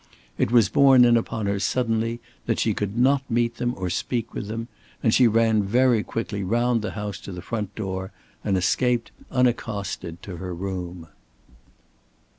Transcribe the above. It was borne in upon her suddenly that she could not meet them or speak with them, and she ran very quickly round the house to the front door, and escaped unaccosted to her room.